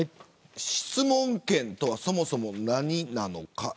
質問権とは、そもそも何なのか。